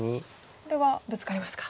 これはブツカりますか。